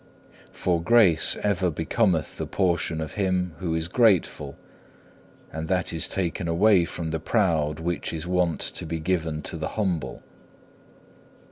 For grace ever becometh the portion of him who is grateful and that is taken away from the proud, which is wont to be given to the humble.